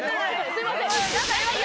すいません。